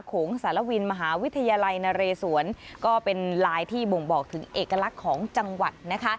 โงสารวินมหาวิทยาลัยนเรศวรก็เป็นลายที่บ่งบอกถึงเอกลักษณ์ของจังหวัดนะคะ